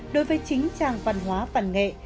đối với chính trang văn hóa văn nghệ